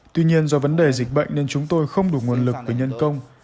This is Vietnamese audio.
tuy nhiên do vấn đề dịch bệnh nên chúng tôi không đủ nguồn lực về nhân công